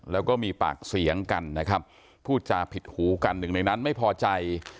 แล้วก็มีปากเสียงกันนะครับพูดจาผิดหูกันหนึ่งในนั้นไม่พอใจ